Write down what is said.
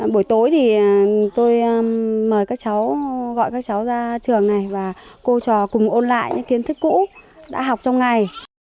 buổi tối thì tôi mời các cháu gọi các cháu ra trường này và cô trò cùng ôn lại những kiến thức cũ đã học trong ngày